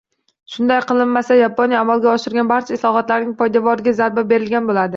Shunday qilinmasa, Yaponiya amalga oshirgan barcha islohotlarning poydevoriga zarba berilgan bo‘ladi